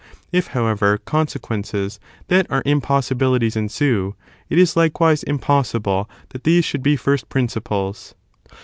If, however, consequences that are impossibilities ensue, it is likewise impossible that these should be first principles.